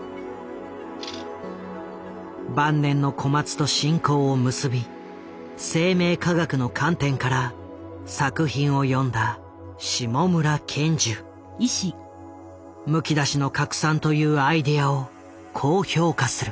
晩年の小松と親交を結び生命科学の観点から作品を読んだ「むきだしの核酸」というアイデアをこう評価する。